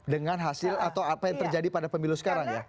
dengan hasil atau apa yang terjadi pada pemilu sekarang ya